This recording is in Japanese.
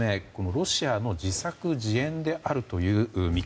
ロシアの自作自演であるという見方。